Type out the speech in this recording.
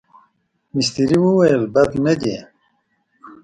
مستري وویل بد نه دي.